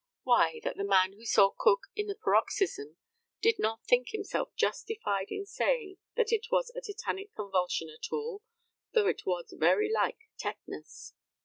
Why, that the man who saw Cook in the paroxysm did not think himself justified in saying that it was a tetanic convulsion at all, though it was very like tetanus.